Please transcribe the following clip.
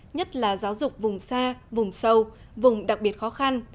nhất là giáo dục vùng xa vùng sâu vùng đặc biệt khó khăn